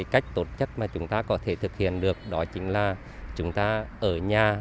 cách tổ chức mà chúng ta có thể thực hiện được đó chính là chúng ta ở nhà